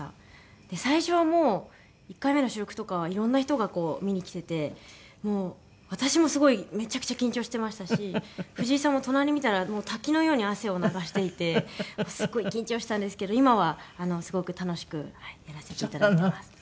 で最初はもう１回目の収録とかはいろんな人が見に来ててもう私もすごいめちゃくちゃ緊張してましたし藤井さんも隣見たらもう滝のように汗を流していてすごい緊張したんですけど今はすごく楽しくやらせていただいてます。